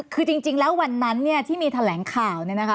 คือจริงแล้ววันนั้นที่มีแถลงข่าว